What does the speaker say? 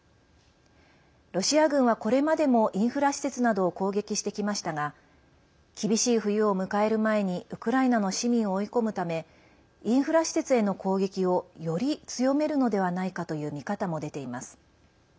ロシア軍はこれまでもインフラ施設などを攻撃してきましたが厳しい冬を迎える前にウクライナの市民を追い込むためインフラ施設への攻撃をより強めるのではないかという見方も出ています。